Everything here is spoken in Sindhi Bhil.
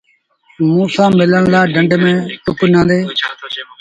موݩٚ سآݩٚ ملڻ لآ ڍنڍ ميݩ ٽپ ڏنآندي۔